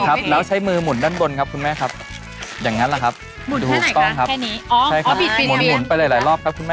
คุณแม่เหรอ